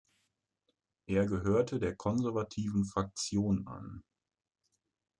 Er gehörte der konservativen Fraktion an.